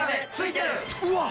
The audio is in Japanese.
うわっ！